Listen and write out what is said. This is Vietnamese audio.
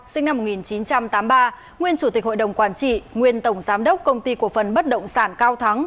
sinh năm một nghìn chín trăm tám mươi ba nguyên chủ tịch hội đồng quản trị nguyên tổng giám đốc công ty cổ phần bất động sản cao thắng